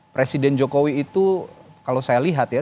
presiden jokowi itu kalau saya lihat ya